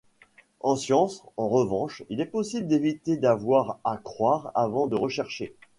En sciences, en revanche, il est possible d'éviter d'avoir à croire avant de rechercher.